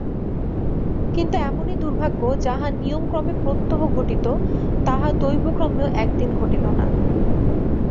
কিন্তু এমনি দুর্ভাগ্য, যাহা নিয়মক্রমে প্রত্যহ ঘটিত, তাহা দৈবক্রমেও একদিন ঘটিল না।